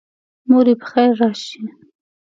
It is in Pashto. موري پخیر راشي